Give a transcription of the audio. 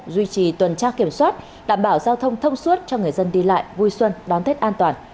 duy trì tuần tra kiểm soát đảm bảo giao thông thông suốt cho người dân đi lại vui xuân đón tết an toàn